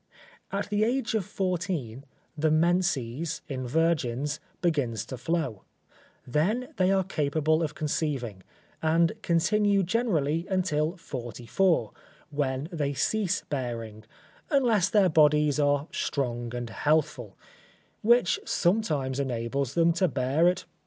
At the age of 14, the menses, in virgins, begin to flow; then they are capable of conceiving, and continue generally until 44, when they cease bearing, unless their bodies are strong and healthful, which sometimes enables them to bear at 65.